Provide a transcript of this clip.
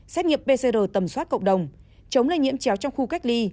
xét nghiệm pcr tầm soát cộng đồng chống lây nhiễm chéo trong khu cách ly